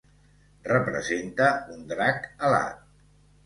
Representa un drac alat.